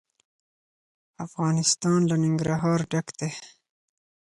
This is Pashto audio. افغانستان له ننګرهار ډک دی.